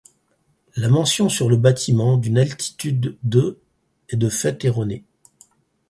La mention sur le bâtiment d'une altitude de est de fait erronée.